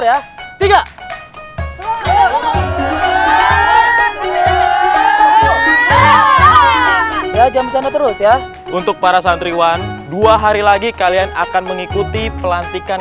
ya tiga ya jam sana terus ya untuk para santriwan dua hari lagi kalian akan mengikuti pelantikan